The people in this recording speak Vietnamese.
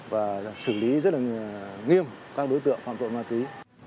và xử lý rất là nghiêm các đối tượng phạm tội ma túy